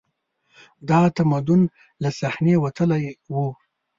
دا تمدن له صحنې وتلی و